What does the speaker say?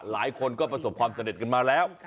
หลายคนก็ประสบความสำเร็จกันมาแล้ว